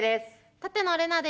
舘野伶奈です。